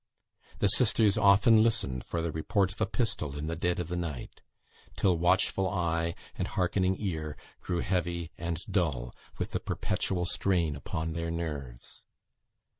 The sisters often listened for the report of a pistol in the dead of the night, till watchful eye and hearkening ear grew heavy and dull with the perpetual strain upon their nerves.